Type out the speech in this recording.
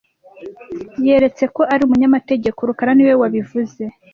Yaretse ko ari umunyamategeko rukara niwe wabivuze